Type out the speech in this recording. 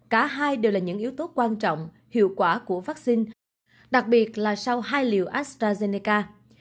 cả hai đều là những yếu tố quan trọng hiệu quả của vaccine đặc biệt là sau hai liều astrazeneca